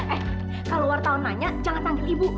eh kalau wartawan nanya jangan panggil ibu